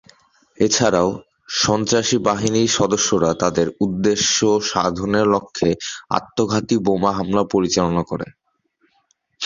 এছাড়াও, সন্ত্রাসী বাহিনীর সদস্যরা তাদের উদ্দেশ্য সাধনের লক্ষ্যে আত্মঘাতী বোমা হামলা পরিচালনা করে।